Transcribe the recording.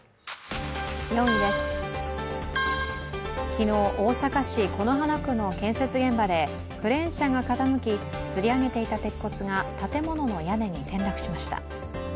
昨日、大阪市此花区の建設現場でクレーン車が傾きつり上げていた鉄骨が建物の屋根に転落しました。